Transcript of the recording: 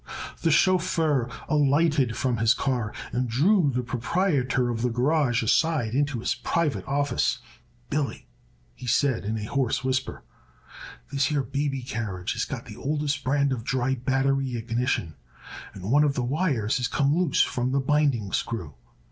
The chauffeur alighted from his car and drew the proprietor of the garage aside into his private office. "Billy," he said in a hoarse whisper, "this here baby carriage is got the oldest brand of dry battery ignition and one of the wires has come loose from the binding screw.